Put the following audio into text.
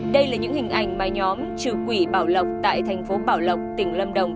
đây là những hình ảnh mà nhóm trừ quỷ bảo lộc tại thành phố bảo lộc tỉnh lâm đồng